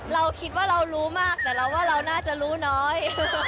เราคิดว่าเรารู้มากแต่เราว่าเราน่าจะรู้น้อย